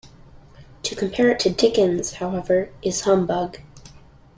To compare it to Dickens, however, is...humbug.